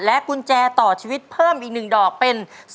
กุญแจต่อชีวิตเพิ่มอีก๑ดอกเป็น